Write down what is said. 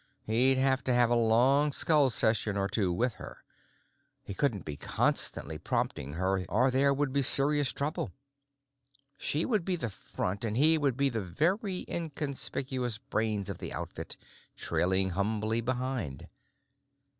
He'd have to have a long skull session or two with her; he couldn't be constantly prompting her or there would be serious trouble. She would be the front and he would be the very inconspicuous brains of the outfit, trailing humbly behind.